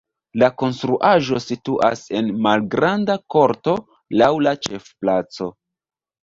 La konstruaĵo situas en malgranda korto laŭ la ĉefplaco.